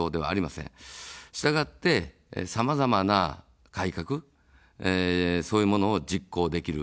したがって、さまざまな改革、そういうものを実行できる。